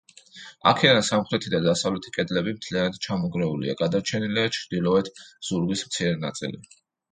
აქედან სამხრეთი და დასავლეთი კედლები მთლიანად ჩამონგრეულია, გადარჩენილია ჩრდილოეთ ზურგის მცირე ნაწილი.